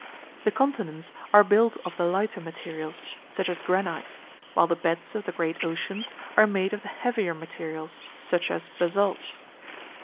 The continents are built of the lighter materials, such as granites, while the beds of the great oceans are made of the heavier materials such as basalts.